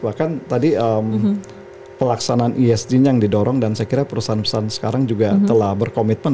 bahkan tadi pelaksanaan esg nya yang didorong dan saya kira perusahaan perusahaan sekarang juga telah berkomitmen